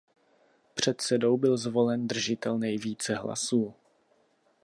Předsedou byl zvolen držitel nejvíce hlasů.